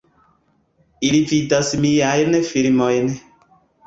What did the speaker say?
Ili vidas miajn filmojn